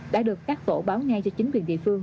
đã được các tổ báo ngay cho chính quyền địa phương